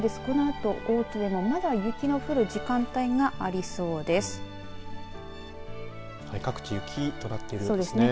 このあと大津でも雪の降る時間帯がありそうです。